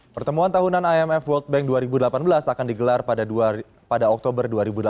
pertemuan tahunan imf world bank dua ribu delapan belas akan digelar pada oktober dua ribu delapan belas